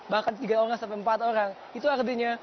bahkan tiga empat orang itu artinya